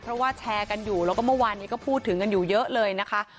เพราะว่าแชร์กันอยู่แล้วก็เมื่อวานนี้ก็พูดถึงกันอยู่เยอะเลยนะคะ